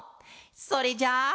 それじゃあ。